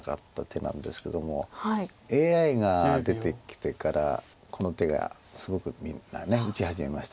ＡＩが出てきてからこの手がすごくみんな打ち始めました。